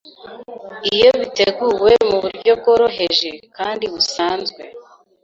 iyo biteguwe mu buryo bworoheje kandi busanzwe